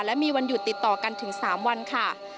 และมีวันหยุดติดต่อกันถึง๓วันค่ะ